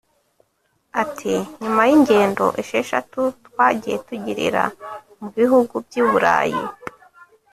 Ati “Nyuma y’ingendo esheshatu twagiye tugirira mu bihugu by’i Burayi